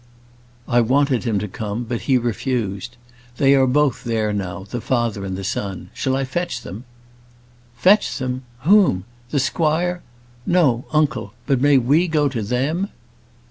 "I wanted him to come, but he refused. They are both there now, the father and son; shall I fetch them?" "Fetch them! whom? The squire? No, uncle; but may we go to them?"